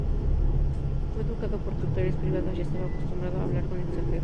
Fue educado por tutores privados, y estaba acostumbrado a hablar con extranjeros.